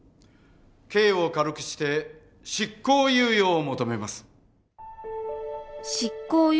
刑を軽くして執行猶予を求めます。